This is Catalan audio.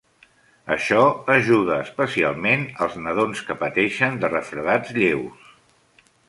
Això ajuda especialment als nadons que pateixen de refredats lleus.